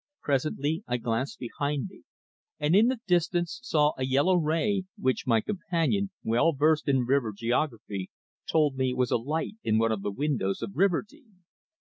Presently I glanced behind me, and in the distance saw a yellow ray, which my companion, well versed in river geography, told me was a light in one of the windows of Riverdene.